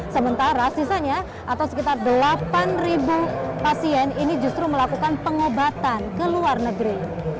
sementara sisanya atau sekitar delapan pasien ini justru melakukan pengobatan ke luar negeri